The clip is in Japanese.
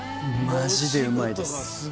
マジでうまいです。